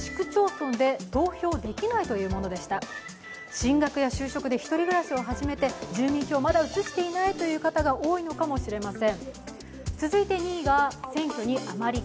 進学や就職で１人暮らしを始めて住民票をまだ移していないという方が多いのかもしれません。